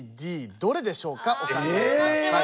どれでしょうかお考えください。